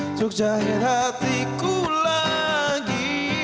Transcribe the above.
untuk jahit hatiku lagi